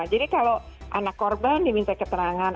jadi kalau anak korban diminta keterangan